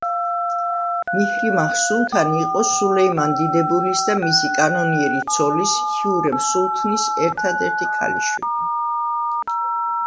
მიჰრიმაჰ სულთანი იყო სულეიმან დიდებულის და მისი კანონიერი ცოლის, ჰიურემ სულთნის ერთადერთი ქალიშვილია.